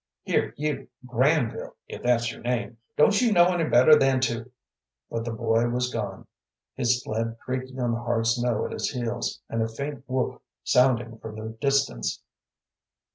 Here you, Granville if that's your name don't you know any better than to " But the boy was gone, his sled creaking on the hard snow at his heels, and a faint whoop sounded from the distance.